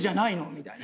みたいな。